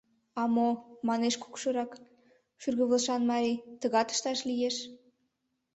— А мо, — манеш кукшырак шӱргывылышан марий, — тыгат ышташ лиеш.